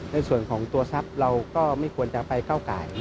ในส่วนของตัวทรัพย์เราก็ไม่ควรจะไปก้าวไก่